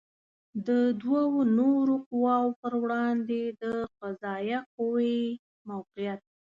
د دوو نورو قواوو پر وړاندې د قضائیه قوې موقعیت